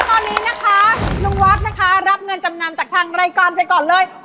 ตอนนี้นะคะลุงวัดนะคะรับเงินจำนำจากทางรายการไปก่อนเลย